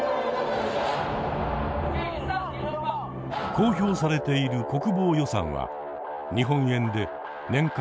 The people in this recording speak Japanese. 公表されている国防予算は日本円で年間